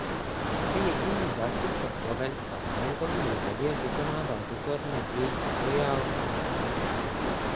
Coby jediný zástupce Slovenska v bankovní radě vykonával dozor nad její filiálkou v Bratislavě.